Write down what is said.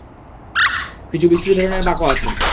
কিছু বিশ্রী ধরণের বাঁকও আছে।